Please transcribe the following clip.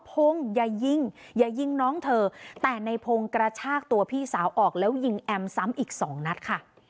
พงศ์อย่ายิงอย่ายิงน้องเธอแต่ในพงศ์กระชากตัวพี่สาวออกแล้วยิงแอมซ้ำอีกสองนัดค่ะ